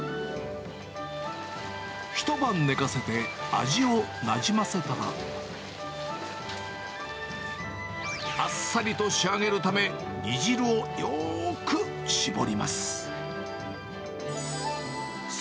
一晩寝かせて味をなじませたら、あっさりと仕上げるため、煮汁をよーく絞ります。